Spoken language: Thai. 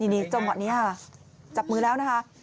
นี่จับมือแล้วนะคะ